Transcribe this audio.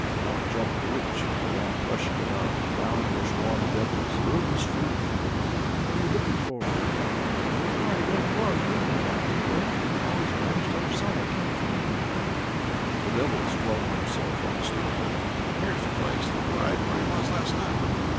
Out jumped the witch and began rushing about; round her swarmed devils, the room was full of them! "What are you looking for?" they cry. "Why, there he was reading a moment ago, and now he's vanished out of sight. I can't find him." The devils flung themselves on the stove. "Here's the place," they cried, "where he was last night!"